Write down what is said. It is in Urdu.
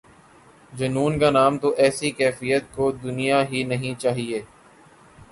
جنون کا نام تو ایسی کیفیت کو دینا ہی نہیں چاہیے۔